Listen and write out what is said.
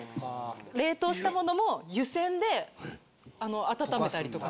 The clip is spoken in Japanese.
冷凍したものも湯煎で温めたりとか。